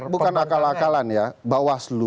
bukan akal akalan ya